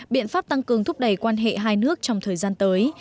biện pháp tăng cường thúc đẩy quan hệ hai nước trong thời gian tới